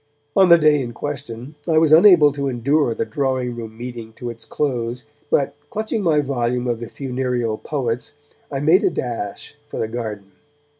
On the day in question, I was unable to endure the drawing room meeting to its close, but, clutching my volume of the Funereal Poets, I made a dash for the garden.